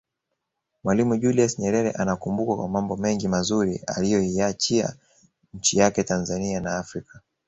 Mwalimu Julius Nyerere anakumbukwa kwa mambo mengi mazuri aliyoiachia nchi yake Tanzania na Afrika